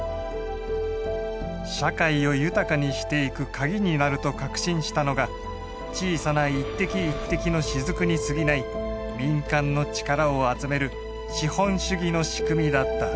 社会を豊かにしていく鍵になると確信したのが小さな一滴一滴の滴にすぎない民間の力を集める資本主義の仕組みだった。